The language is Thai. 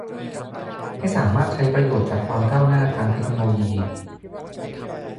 ให้สามารถใช้ประโยชน์จากความก้าวหน้าทางเทคโนโลยี